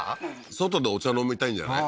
外でお茶飲みたいんじゃない？